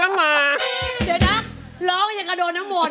เดี๋ยวนะร้องยังกระโดนทั้งหมด